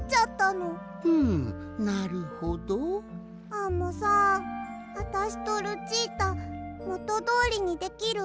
アンモさんあたしとルチータもとどおりにできる？